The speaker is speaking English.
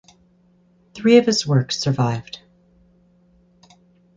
Three of his works survived.